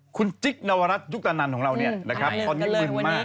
คุณจิ๊กนวรัฐยุตนันของเราเนี่ยนะครับคอนิมิตรมาก